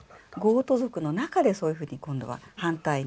ゴート族の中でそういうふうに今度は反対に。